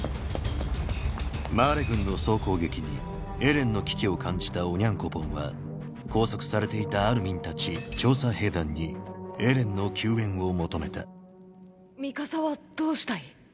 マーレ軍の総攻撃にエレンの危機を感じたオニャンコポンは拘束されていたアルミンたち調査兵団にエレンの救援を求めたミカサはどうしたい？